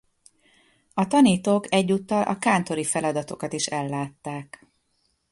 A tanítók egyúttal a kántori feladatokat is ellátták.